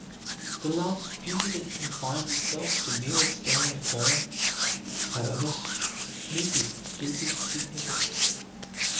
The love of beauty that confines itself to mere external form, however, misses its deepest significance.